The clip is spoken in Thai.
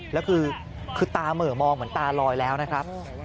แล้วคือตาเหม่อมองเหมือนตาลอยแล้วนะครับ